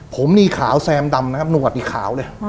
ผมนี่ขาวแซมดำนะครับหนวดนี่ขาวเลย